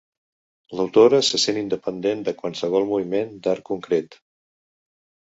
L'autora se sent independent de qualsevol moviment d'art concret.